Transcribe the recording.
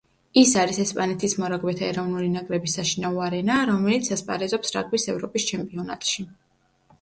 ის არის ესპანეთის მორაგბეთა ეროვნული ნაკრების საშინაო არენა, რომელიც ასპარეზობს რაგბის ევროპის ჩემპიონატში.